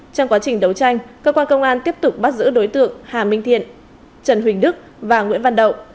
trong quá trình đấu tranh cơ quan công an tiếp tục bắt giữ đối tượng hà minh thiện trần huỳnh đức và nguyễn văn đậu